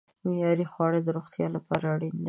معیاري خواړه د روغتیا لپاره اړین دي.